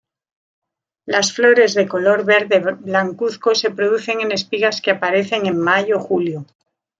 Las flores, de color verde blancuzco, se producen en espigas que aparecen en mayo-julio.